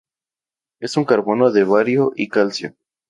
Es un carbonato de bario y calcio.